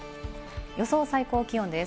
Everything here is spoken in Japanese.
予想最高気温です。